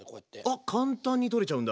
あっ簡単に取れちゃうんだ。